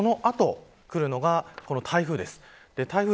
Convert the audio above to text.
その後、来るのがこの台風です。